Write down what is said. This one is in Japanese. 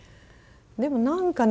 でも何かね